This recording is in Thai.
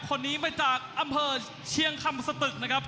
คนนี้มาจากอำเภอเชียงคำสตึกนะครับ